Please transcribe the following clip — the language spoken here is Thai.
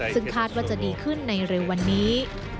ซึ่งคาดว่าจะดีขึ้นในเร็ววันนี้